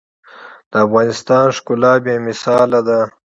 د افغانستان ښکلا بې مثاله ده.